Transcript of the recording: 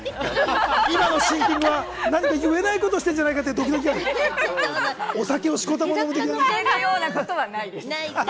今のシンキングは何か言えないことやってるんじゃないかってドキドキした、お酒をそんなことはないです。